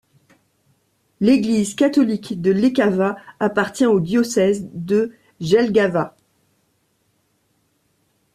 L'église catholique de Iecava appartient au diocèse de Jelgava.